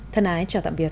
thân ái chào tạm biệt